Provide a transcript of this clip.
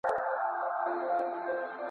د غره سرونه په واورو پوښل شوي دي.